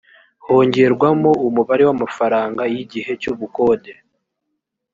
hongerwamo umubare w’amafaranga y’igihe cy’ubukode